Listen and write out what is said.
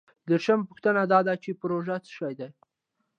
دیرشمه پوښتنه دا ده چې پروژه څه شی ده؟